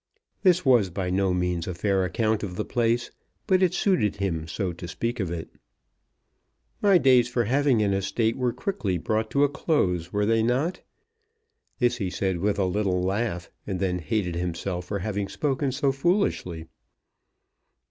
This was by no means a fair account of the place, but it suited him so to speak of it. "My days for having an estate were quickly brought to a close; were they not?" This he said with a little laugh, and then hated himself for having spoken so foolishly.